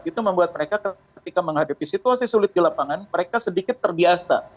itu membuat mereka ketika menghadapi situasi sulit di lapangan mereka sedikit terbiasa